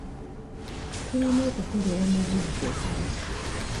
Tulina okukolera mu budde.